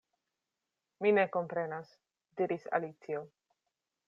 "Mi ne komprenas," diris Alicio.